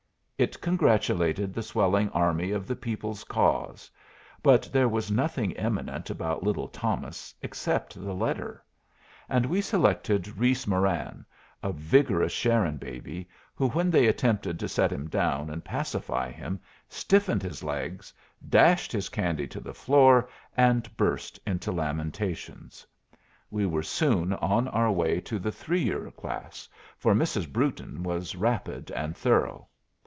It congratulated the swelling army of the People's Cause. But there was nothing eminent about little Thomas except the letter; and we selected Reese Moran, a vigorous Sharon baby, who, when they attempted to set him down and pacify him, stiffened his legs, dashed his candy to the floor, and burst into lamentation. We were soon on our way to the 3 year class, for Mrs. Brewton was rapid and thorough.